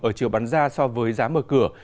ở chiều bán ra so với giá mở cửa